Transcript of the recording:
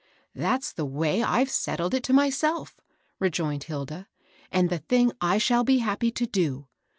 " That's the way I've settled it to myself," re joined Hilda, " and the thing I shall be happy to do.